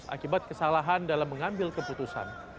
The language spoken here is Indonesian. akibat kesalahan dalam mengambil keputusan